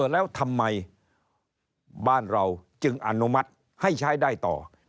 แล้วทำไมบ้านเราจึงอนุมัติให้ใช้ได้ต่อ